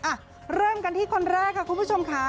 อ่ะเริ่มกันที่คนแรกค่ะคุณผู้ชมค่ะ